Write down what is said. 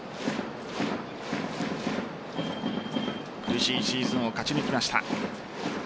苦しいシーズンを勝ち抜きました。